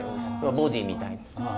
ボディーみたいに。